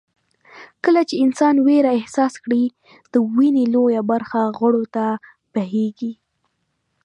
کله چې انسان وېره احساس کړي د وينې لويه برخه غړو ته بهېږي.